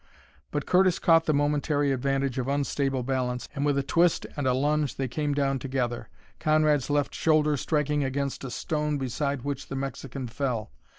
But Curtis caught the momentary advantage of unstable balance and with a twist and a lunge they came down together, Conrad's left shoulder striking against a stone beside which the Mexican fell.